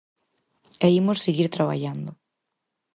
E imos seguir traballando.